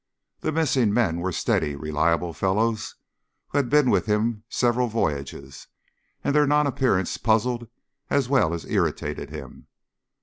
The missing men were steady, reliable fellows, who had been with him several voyages, and their non appearance puzzled as well as irritated him.